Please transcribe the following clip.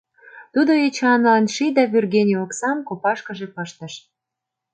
Тудо Эчанлан ший да вӱргене оксам копашкыже пыштыш.